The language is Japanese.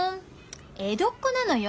江戸っ子なのよ？